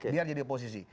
biar jadi oposisi